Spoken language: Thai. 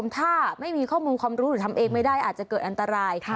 ถ้าไม่มีข้อมูลความรู้หรือทำเองไม่ได้อาจจะเกิดอันตราย